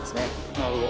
なるほど。